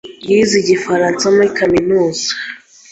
yize igifaransa muri kaminuza.